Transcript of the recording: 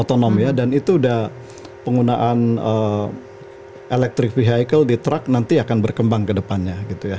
otonom ya dan itu sudah penggunaan electric vehicle di truck nanti akan berkembang ke depannya